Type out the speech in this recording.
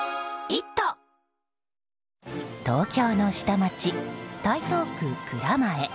東京の下町、台東区蔵前。